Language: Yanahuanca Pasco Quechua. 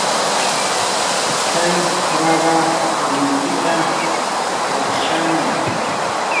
tsay yaqa runapita washaamay.